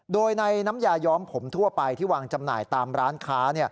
โดยในน้ำยาย้อมผมทั่วไปที่วางจำหน่ายตามร้านค้า